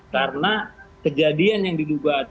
karena kejadian yang diduga